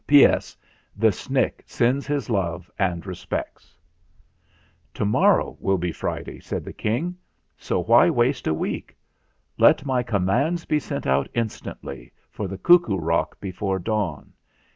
"P. S. The Snick sends his love and re spects." "To morrow will be Friday," said the King, "so why waste a week? Let my commands be sent out instantly for the 'Cuckoo Rock' be fore dawn.